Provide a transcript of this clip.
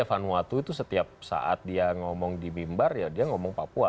vanuatu itu setiap saat dia ngomong di bimbar ya dia ngomong papua